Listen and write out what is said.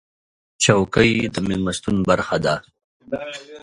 چوکۍ د میلمستون برخه ده.